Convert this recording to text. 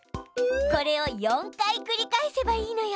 これを４回繰り返せばいいのよ。